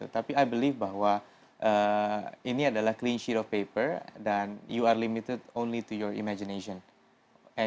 tapi saya percaya bahwa ini adalah clean sheet of paper dan anda hanya terbatas pada imajinasi anda